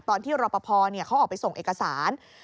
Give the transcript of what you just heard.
ตอนที่รอปภเขาออกไปส่งเอกสาร